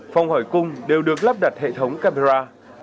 phòng hỏi cung đều được lắp đặt hệ thống camera